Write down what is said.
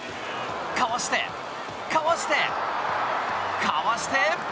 かわしてかわして、かわして。